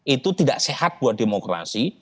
itu tidak sehat buat demokrasi